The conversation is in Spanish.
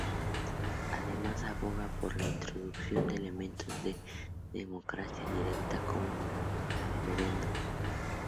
Además aboga por la introducción de elementos de democracia directa, como referendos.